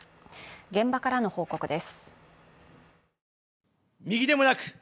現場からの報告です。